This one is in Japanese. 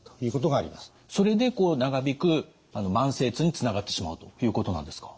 それでこう長引く慢性痛につながってしまうということなんですか。